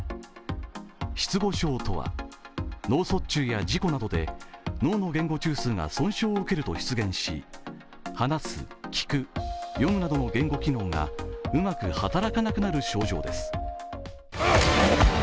失語症とは、脳卒中や事故などで脳の言語中枢が損傷すると出現し、話す、聞く、読むなどの言語機能がうまく働かなくなる症状です。